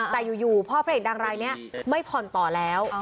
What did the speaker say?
แต่อยู่พ่อพระเอกดังรายนี้ไม่ผ่อนต่อแล้ว